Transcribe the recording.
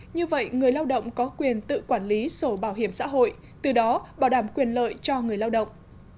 như vậy người lao động có quyền tự quản lý sổ bảo hiểm xã hội từ đó bảo đảm quyền lợi cho người lao động